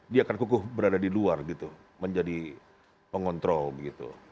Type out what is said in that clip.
dia akan kukuh berada di luar gitu menjadi pengontrol gitu